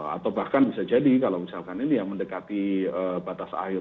atau bahkan bisa jadi kalau misalkan ini yang mendekati batas akhir